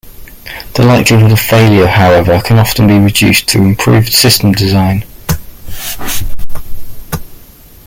The likelihood of failure, however, can often be reduced through improved system design.